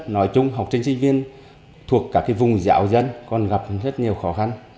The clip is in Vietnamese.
nói chung học sinh sinh viên thuộc các vùng dạo dân còn gặp rất nhiều khó khăn